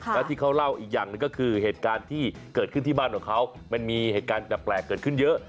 แล้วที่เขาเล่าอีกอย่างหนึ่งก็คือเหตุการณ์ที่เกิดขึ้นที่บ้านของเขามันมีเหตุการณ์แปลกเกิดขึ้นเยอะ